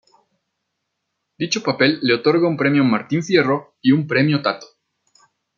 Dicho papel le otorga un Premio Martín Fierro y un Premio Tato.